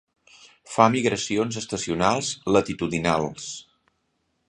Fa migracions estacionals latitudinals.